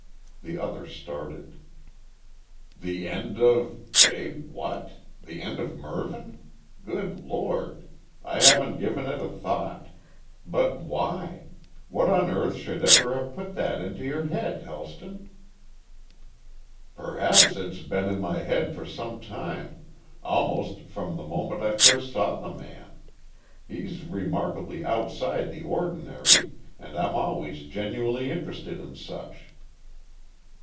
The other started. "The end of Eh what? The end of Mervyn? Good Lord! I hadn't given it a thought. But why? What on earth should have put that into your head, Helston?" "Perhaps it's been in my head for some time almost from the moment I first saw the man. He's remarkably outside the ordinary, and I'm always genuinely interested in such."